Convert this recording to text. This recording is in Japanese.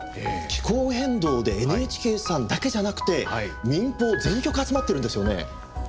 気候変動でＮＨＫさんだけじゃなくて民放全局集まってるんですよね。